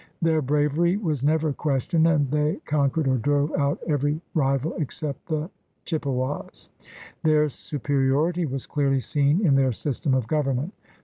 Their bravery was never questioned, and they con quered or drove out every rival except the Chip pewas. Their superiority was clearly seen in their system of government.